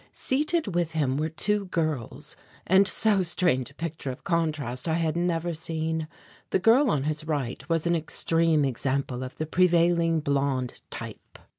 Seated with him were two girls and so strange a picture of contrast I had never seen. The girl on his right was an extreme example of the prevailing blonde type.